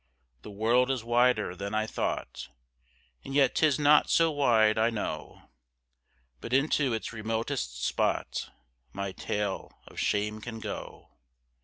The world is wider than I thought, And yet 'tis not so wide, I know, But into its remotest spot My tale of shame can go.